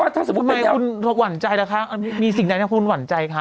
ทำไมคุณหวั่นใจละคะมีสิ่งใดที่คุณหวั่นใจคะ